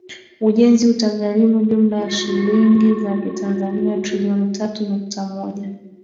Ujenzi utagharimu jumla ya shilingi za kitanzania trilioni tatu nukta moja